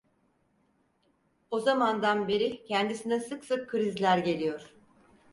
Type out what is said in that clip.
O zamandan beri kendisine sık sık krizler geliyor.